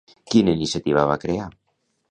Quina iniciativa va crear?